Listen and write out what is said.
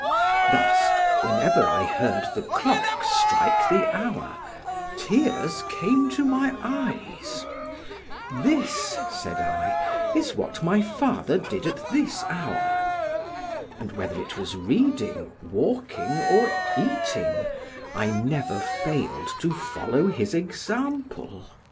Thus whenever I heard the clock strike the hour, tears came to my eyes: "This," said I, "is what my father did at this hour," and whether it was reading, walking, or eating, I never failed to follow his example.